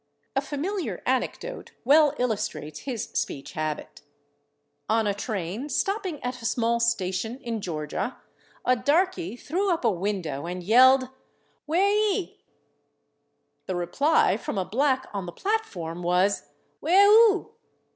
A familiar anecdote well illustrates his speech habit. On a train stopping at a small station in Georgia a darkey threw up a window and yelled "Wah ee?" The reply from a black on the platform was "Wah oo?"